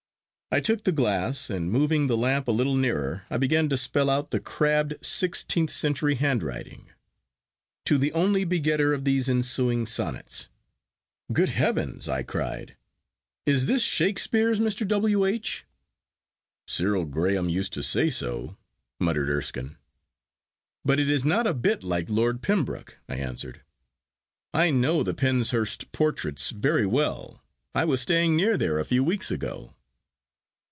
I took the glass, and moving the lamp a little nearer, I began to spell out the crabbed sixteenth century handwriting. 'To the onlie begetter of these insuing sonnets.' ... 'Good heavens!' I cried, 'is this Shakespeare's Mr. W. H.?' 'Cyril Graham used to say so,' muttered Erskine. 'But it is not a bit like Lord Pembroke,' I answered. 'I know the Penshurst portraits very well. I was staying near there a few weeks ago.